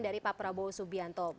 dari pak prabowo subianto